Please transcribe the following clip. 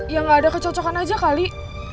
ya nggak ada kecocokan aja kali